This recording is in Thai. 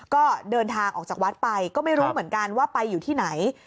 ก็เดินทางออกจากวัดไปก็ไม่รู้เหมือนกันว่าไปอยู่ที่ไหน